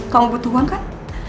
kamu butuh uang kan